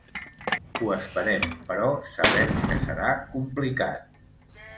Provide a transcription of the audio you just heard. Ho esperem, però sabem que serà complicat.